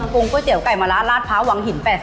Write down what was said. กรุงก๋วยเจี๋ยวไก่มะลาดร้านพระวังหิน๘๐